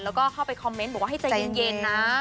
แล้วก็เข้าไปคอมเมนต์บอกว่าให้ใจเย็นนะ